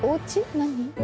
何？